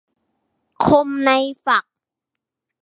คมในฝัก